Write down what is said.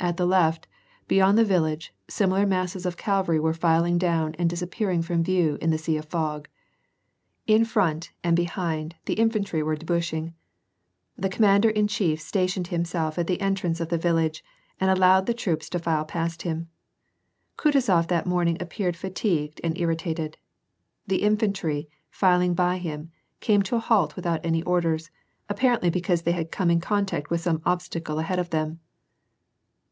At the left, beyond the village, similar masses of cavaJry were filing down and disap pearing from view in the sea of fog. In fi ont, and behind, the infantry were debouching. The commander in chief stationed himself at the entrance of the village, and allowed the troops to file past him. Kutuaof that morning appeared fatigued and irritated. The infantnr, filing by him, came to a halt without any orders, apparently because they had come in contact with some obstacle ahead of them.